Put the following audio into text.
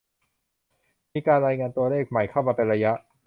มีการรายงานตัวเลขใหม่เข้ามาเป็นระยะ